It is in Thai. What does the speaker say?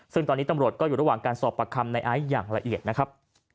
ซึ่งตอนนี้ตำรวจก็อยู่ระหว่างการสอบประคำในไอซ์อย่างละเอียดนะครับ